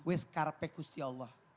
weskar pekusti allah